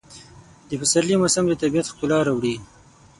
د پسرلي موسم د طبیعت ښکلا راوړي.